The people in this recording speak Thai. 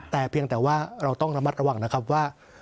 แต่เพียงแต่ว่าเราต้องระมัดระวังนะครับว่า